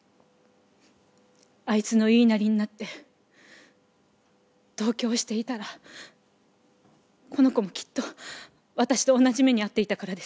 あいつの言いなりになって同居をしていたらこの子もきっと私と同じ目に遭っていたからです。